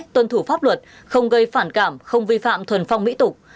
tuân thủ pháp luật không gây phản cảm không vi phạm thuần phong mỹ tục